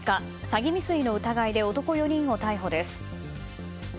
詐欺未遂の疑いで男４人を逮捕です。